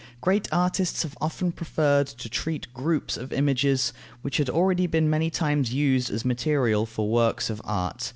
Great artists have often preferred to treat groups of images, which had already been many times used as material for works of art.